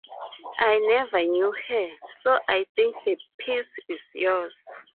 "I" never knew her, so I think the piece is yours.